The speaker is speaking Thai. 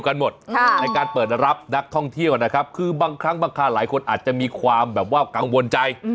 กันหมดในการเปิดรับนักท่องเที่ยวนะครับคือบางครั้งบางคราหลายคนอาจจะมีความแบบว่ากังวลใจ